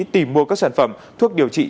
tìm mua các sản phẩm thuốc điều trị